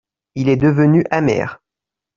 Il est devenu amer.